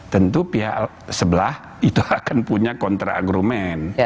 tentu pihak sebelah itu akan punya kontra argumen